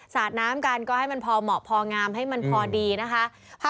สาดน้ำกันก็ให้มันพอเหมาะพองามให้มันพอดีนะคะ